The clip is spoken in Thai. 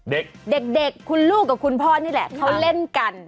เด็กเด็กคุณลูกกับคุณพ่อนี่แหละเขาเล่นกัน